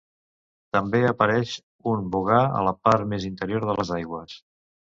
També apareix un bogar a la part més interior de les aigües.